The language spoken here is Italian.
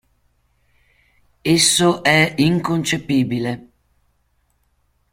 Esso è inconcepibile".